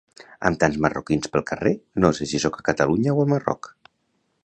Amb tants marroquins pel carrer no sé si sóc a Catalunya o al Marroc